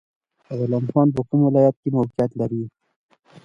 غلام خان بندر په کوم ولایت کې موقعیت لري؟